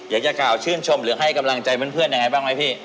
อยากจะกล่าวชื่นชมหรือให้กำลังใจเพื่อนยังไงบ้างไหมพี่